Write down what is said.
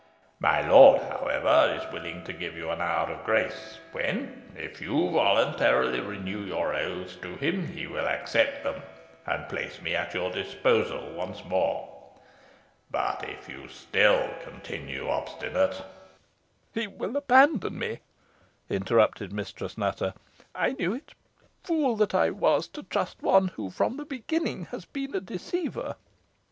My lord, however, is willing to give you an hour of grace, when, if you voluntarily renew your oaths to him, he will accept them, and place me at your disposal once more; but if you still continue obstinate " "He will abandon me," interrupted Mistress Nutter; "I knew it. Fool that I was to trust one who, from the beginning, has been a deceiver."